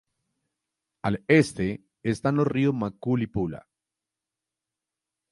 Al este están los ríos Macul y Pula.